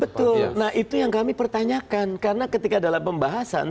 betul nah itu yang kami pertanyakan karena ketika dalam pembahasan